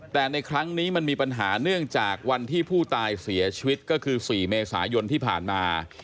แต่ในครั้งนี้มันมีปัญหาเนื่องจากวันที่ผู้ตายเสียชีวิตก็คือ๔เมษายนที่ผ่านมา